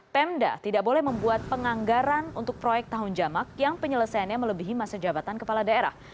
pemda tidak boleh membuat penganggaran untuk proyek tahun jamak yang penyelesaiannya melebihi masa jabatan kepala daerah